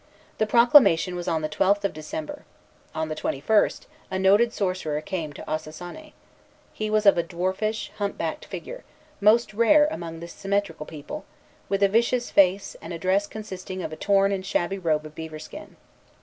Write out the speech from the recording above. The proclamation was on the twelfth of December. On the twenty first, a noted sorcerer came to Ossossané. He was of a dwarfish, hump backed figure, most rare among this symmetrical people, with a vicious face, and a dress consisting of a torn and shabby robe of beaver skin.